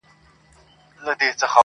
-چي ښکلي یادومه ستا له نومه حیا راسي-